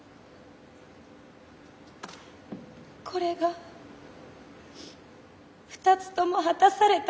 これが二つとも果たされた